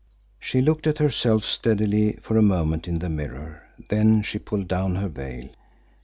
She looked at herself steadily for a moment in the mirror. Then she pulled down her veil.